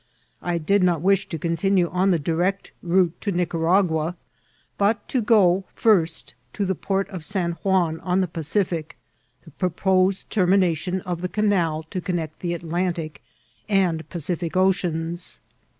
I did not wish %> continue on the direct route to Nic aragua, but to go first to the port of San Juan on the Pacific, the proposed termination of the canal to con nect the Atlantic and Pacific Oceans.